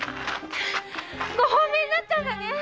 ご放免になったんだね。